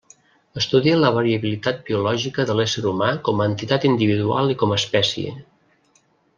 Estudia la variabilitat biològica de l'ésser humà com a entitat individual i com a espècie.